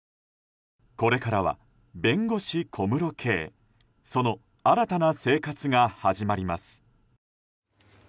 これからは、弁護士・小室圭その新たな生活が始まります。